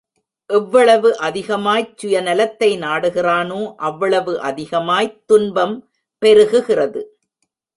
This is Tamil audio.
எவ்வளவு அதிகமாய்ச் சுய நலத்தை நாடுகிறானோ, அவ்வளவு அதிகமாய்த் துன்பம் பெருகுகிறது.